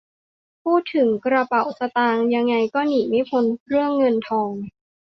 พูดถึงกระเป๋าสตางค์ยังไงก็หนีไม่พ้นเรื่องเงินทอง